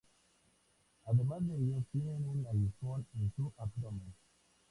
Además de ellas tienen un aguijón en su abdomen.